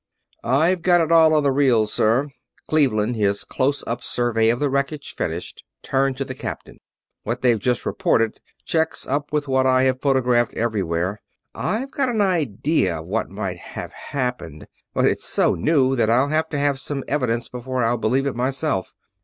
"I've got it all on the reels, sir." Cleveland, his close up survey of the wreckage finished, turned to the captain. "What they've just reported checks up with what I have photographed everywhere. I've got an idea of what might have happened, but it's so new that I'll have to have some evidence before I'll believe it myself.